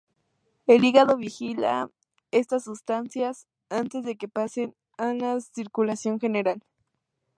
El hígado vigila estas sustancias antes de que pasen a la circulación general.